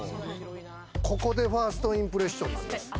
ここでファーストインプレッションです。